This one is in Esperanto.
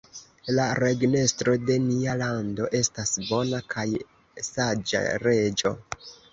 La regnestro de nia lando estas bona kaj saĝa reĝo.